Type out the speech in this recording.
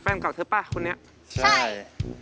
แฟนเก่าเธอเปล่าคุณนี้ใช่ใช่